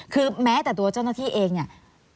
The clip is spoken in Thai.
คือแม้แต่ตัวเจ้าหน้าที่เองเนี่ย